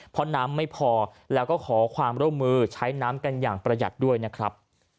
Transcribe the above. เพราะน้ำไม่พอแล้วก็ขอความร่วมมือใช้น้ำกันอย่างประหยัดด้วยนะครับ